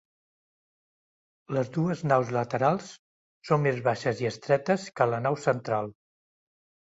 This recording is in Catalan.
Les dues naus laterals són més baixes i estretes que la nau central.